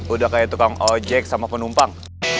udah kayak tukang ojek sama penumpang